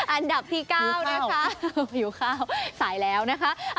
อันดับที่๙นะคะหิวข้าวสายแล้วนะคะ